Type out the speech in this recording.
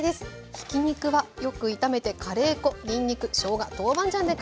ひき肉はよく炒めてカレー粉にんにく・しょうが豆板醤で香りを立たせます。